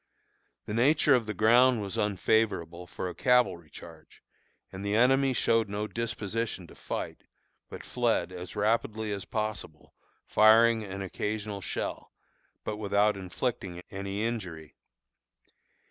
The nature of the ground was unfavorable for a cavalry charge, and the enemy showed no disposition to fight, but fled as rapidly as possible, firing an occasional shell, but without inflicting any injury.